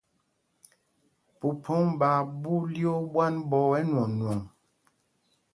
Phúphōŋ ɓaa ɓu lyoo ɓwán ɓɔ̄ɔ̄ ɛnwɔɔnwɔŋ.